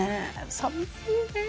寂しいねえ。